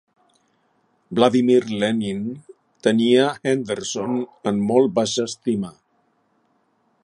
Vladimir Lenin tenia Henderson en molt baixa estima.